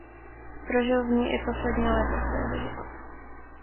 Prožil v ní i poslední léta svého života.